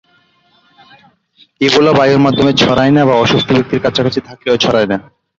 Ebola বায়ুর মাধ্যমে ছড়ায় না বা অসুস্থ ব্যক্তির কাছাকাছি থাকলেও ছড়ায় না।